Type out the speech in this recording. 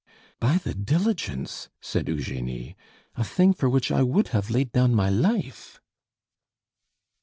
"By the diligence!" said Eugenie. "A thing for which I would have laid down my life!"